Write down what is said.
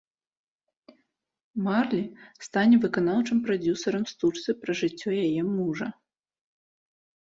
Марлі стане выканаўчым прадзюсарам стужцы пра жыццё яе мужа.